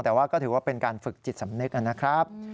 แต่ว่าก็ถือว่าเป็นการฝึกจิตสำนึกนะครับ